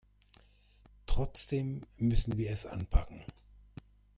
Trotzdem müssen wir es anpacken.